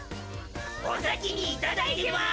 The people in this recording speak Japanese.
お先にいただいてます！